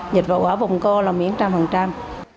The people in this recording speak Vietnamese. dịch vụ ở vùng co là miễn trăm phần trăm